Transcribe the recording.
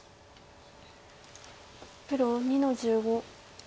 黒２の十五。